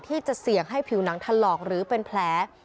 ที่จะเสี่ยงให้ผิวหนังถลอกหรือเป็นแผล